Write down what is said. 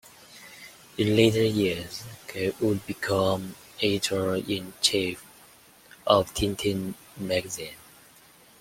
In later years, Greg would become editor-in-chief of "Tintin" magazine.